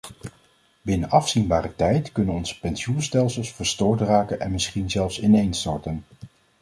Binnen afzienbare tijd kunnen onze pensioenstelsels verstoord raken en misschien zelfs ineenstorten.